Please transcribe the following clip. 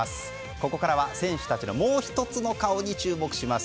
ここからは選手たちのもう１つの顔に注目します。